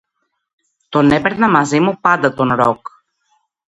Τον έπαιρνα μαζί μου πάντα τον Ροκ